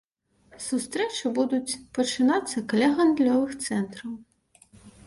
Сустрэчы будуць пачынацца каля гандлёвых цэнтраў.